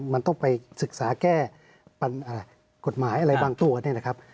มันต้องไปศึกษาแก้กฎหมายอะไรบางตัวนะครับ